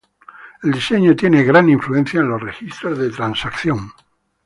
El diseño tiene gran influencia de los registros de transacción.